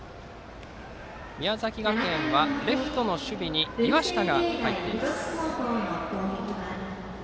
宮崎学園はレフトの守備に岩下が入っています。